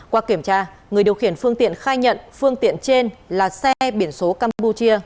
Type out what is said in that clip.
qua kiểm tra người điều khiển phương tiện khai nhận phương tiện trên là xe biển số campuchia